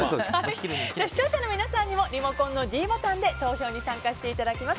視聴者の皆さんにもリモコンのｄボタンで投票に参加していただきます。